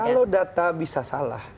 kalau data bisa salah